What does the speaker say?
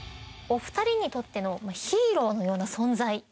お二人にとってのヒーローのような存在。